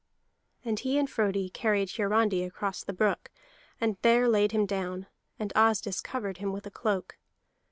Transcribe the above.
And he and Frodi carried Hiarandi across the brook, and there laid him down; and Asdis covered him with a cloak.